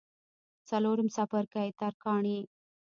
څلورم څپرکی: ترکاڼي